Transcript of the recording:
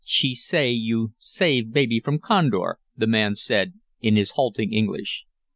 "She say you save baby from condor," the man said in his halting English.